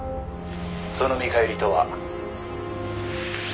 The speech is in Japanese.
「その見返りとは」